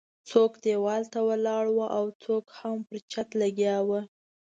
څوک ديوال ته ولاړ وو او څوک هم پر چت لګیا وو.